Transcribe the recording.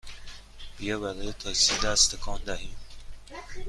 بیا برای تاکسی دست تکان دهیم!